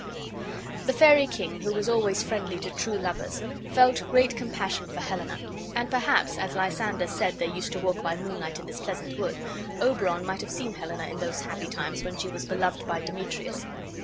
The fairy king, who was always friendly to true lovers, felt great compassion for Helena; and perhaps, as Lysander said they used to walk by moonlight in this pleasant wood, Oberon might have seen Helena in those happy times when she was beloved by Demetrius.